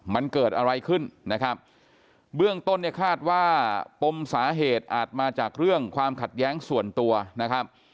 มันเกิดอะไรขึ้นนะครับเบื้องต้นเนี่ยคาดว่าปมสาเหตุอาจมาจากเรื่องความขัดแย้งส่วนตัวนะครับ